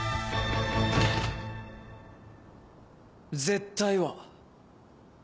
「絶対」は。